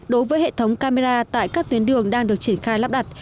đối với hệ thống camera tại các tuyến đường đang được triển khai lắp đặt